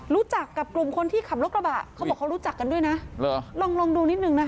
รู้จักกับกลุ่มคนที่ขับรถกระบะเขาบอกเขารู้จักกันด้วยนะลองลองดูนิดนึงนะคะ